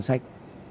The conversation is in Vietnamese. thu ngân sách